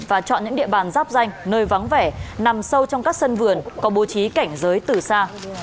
và chọn những địa bàn giáp danh nơi vắng vẻ nằm sâu trong các sân vườn có bố trí cảnh giới từ xa